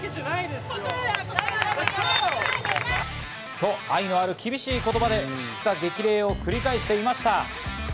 と、愛のある厳しい言葉で叱咤激励を繰り返していました。